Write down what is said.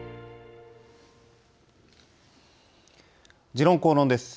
「時論公論」です。